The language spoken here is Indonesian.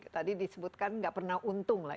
tadi disebutkan nggak pernah untung lah